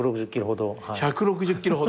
１６０キロほど！